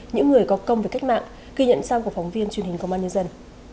những người có công với cách mạng ghi nhận sau của phóng viên truyền hình công an nhân dân